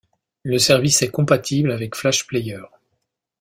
Le service est compatible avec Flash Player.